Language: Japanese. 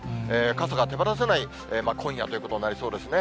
傘が手放せない今夜ということになりそうですね。